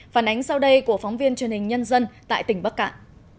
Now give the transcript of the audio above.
phản ánh sau đây của phóng viên truyền hình nhân dân tại tỉnh bắc cạn